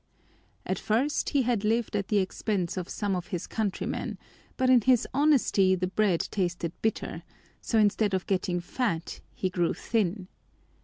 At first he had lived at the expense of some of his countrymen, but in his honesty the bread tasted bitter, so instead of getting fat he grew thin.